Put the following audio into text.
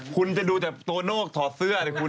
คุณจะดูตัวโล่งต่อเสื้อดิคุณ